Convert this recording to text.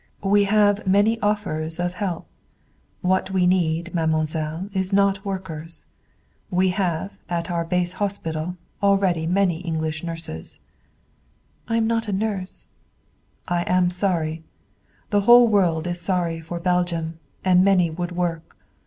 "We have many offers of help. What we need, mademoiselle, is not workers. We have, at our base hospital, already many English nurses." "I am not a nurse." "I am sorry. The whole world is sorry for Belgium, and many would work.